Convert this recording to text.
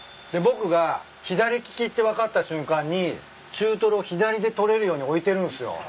で僕が左利きって分かった瞬間に中とろを左で取れるように置いてるんすよ。